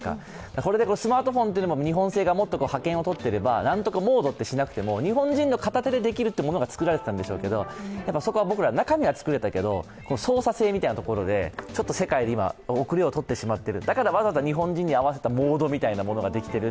これでスマートフォンというのも日本がもっと覇権をとっていればなんとかモードってしなくても、日本人の片手でできるものが作られてたんでしょうけど、そこは僕ら、中身は作れたんですけど操作性みたいなところで世界で今後れを取ってしまっているだからわざわざ日本人に合わせたモードができている、